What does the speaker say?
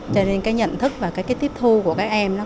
cho nên cái nhận thức và cái cái tiếp thu của các em đó cũng đúng